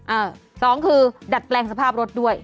สองคือดัดแปลงสภาพรถด้วย